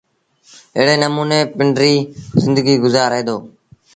ايڙي نموٚني پنڊريٚ زندگيٚ گزآري دو۔